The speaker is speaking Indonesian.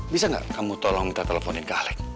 bisa gak kamu tolong minta teleponin ke alec